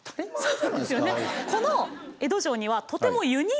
そうですよね。